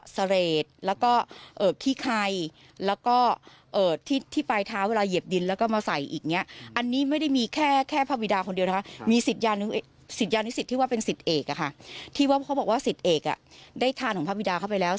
สิทธิ์ยานิสิทธิ์ที่ว่าเป็นสิทธิ์เอกที่พ่อบอกว่าสิทธิ์เอกได้ทานของภาพวิดาเข้าไปแล้ว